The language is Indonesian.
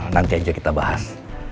nanti aja kita bahas